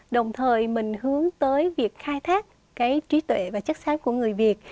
đồng thời mình hướng tới việc khai thác cái trí tuệ và chất sáng của người việt